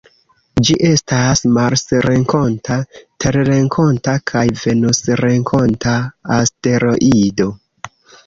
Ĝi estas marsrenkonta, terrenkonta kaj venusrenkonta asteroido.